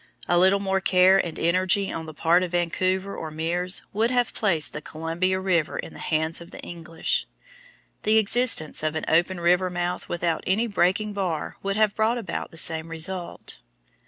A little more care and energy on the part of Vancouver or Meares would have placed the Columbia River in the hands of the English. The existence of an open river mouth without any breaking bar would have brought about the same result.